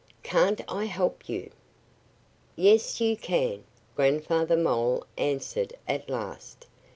"Can't I help you?" "Yes, you can!" Grandfather Mole answered at last.